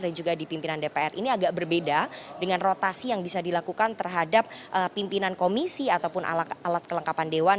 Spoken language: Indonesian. dan juga di pimpinan dpr ini agak berbeda dengan rotasi yang bisa dilakukan terhadap pimpinan komisi ataupun alat alat kelengkapan dewan